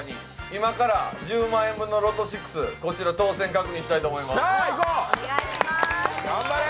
今から１０万円分のロト６、当選確認したいと思います。